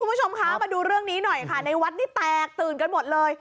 คุณผู้ชมคะมาดูเรื่องนี้หน่อยค่ะในวัดนี่แตกตื่นกันหมดเลย